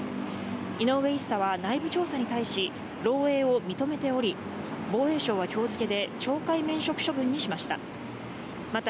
井上１佐は内部調査に対し、漏えいを認めており、防衛省はきょう付けで、懲戒免職処分にしました。